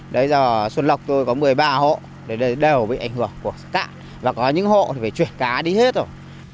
đấy giờ xuân lọc tôi có một mươi ba hộ đều bị ảnh hưởng của cát và có những hộ thì phải chuyển cá đi hết rồi